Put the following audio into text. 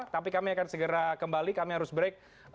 tapi kami akan segera kembali kami harus break